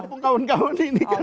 kampung kawan kawan ini kan